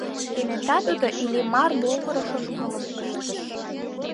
Кенета тудо Иллимар могырыш ошкылым ыштыш...